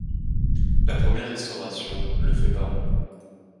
La première Restauration le fait baron.